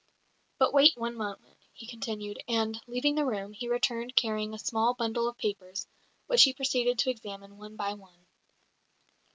"But wait one moment," he continued; and, leaving the room, he returned carrying a small bundle of papers, which he proceeded to examine one by one.